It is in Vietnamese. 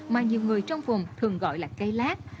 mà nhiều người trong vùng thường gọi là cây lát